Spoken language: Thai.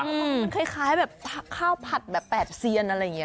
มันคล้ายแบบข้าวผัดแบบแปดเซียนอะไรอย่างนี้